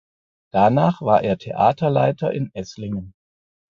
Danach war er Theaterleiter in Esslingen.